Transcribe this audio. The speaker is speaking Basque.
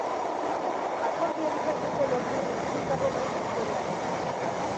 Akordiorik ez dute lortu hezkuntzako mahai sektorialean.